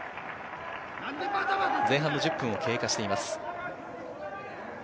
前半の１０分を経過しています。